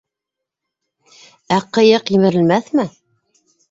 — Ә ҡыйыҡ емерелмәҫме?